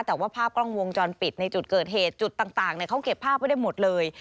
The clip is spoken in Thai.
แต่ว่าภาพกล้องวงจรปิดในจุดเกิดเหตุจุดต่างเขาเก็บภาพไว้ได้หมดเลย